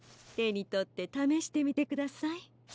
てにとってためしてみてください。